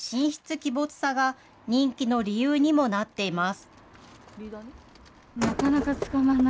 鬼没さが、人気の理由にもなっています。